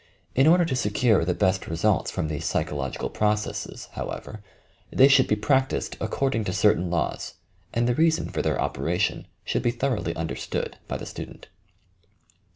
In order to secure the best results from these psychological processes, however, they should be practised according to certain laws, and the reason for their operation should be thoroughly understood by the student.